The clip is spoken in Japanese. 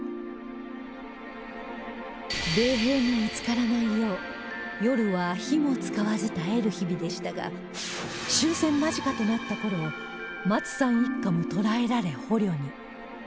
米兵に見付からないよう夜は火も使わず耐える日々でしたが終戦間近となった頃マツさん一家も捕らえられ捕虜に